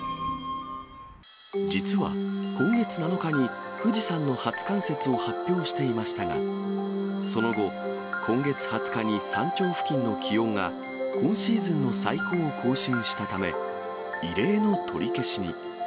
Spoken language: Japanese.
実は、今月７日に富士山の初冠雪を発表していましたが、その後、今月２０日に山頂付近の気温が今シーズンの最高を更新したため、異例の取り消しに。